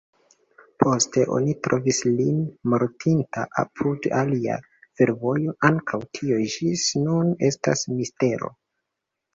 Poste oni trovis lin mortinta apud alia fervojo; ankaŭ tio ĝis nun estas mistero.